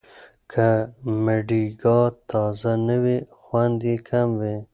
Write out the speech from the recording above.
که مډیګا تازه نه وي، خوند یې کم وي.